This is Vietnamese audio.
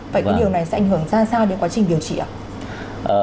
vậy cái điều này sẽ ảnh hưởng ra sao đến quá trình điều trị ạ